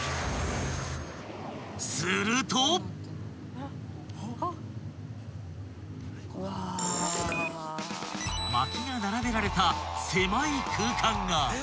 ［まきが並べられた狭い空間が］